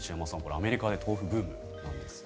アメリカで豆腐ブームなんですね。